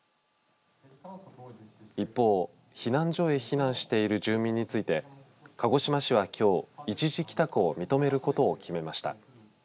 一方、避難所へ避難している住民について鹿児島市はきょう一時帰宅を認めることを決めました。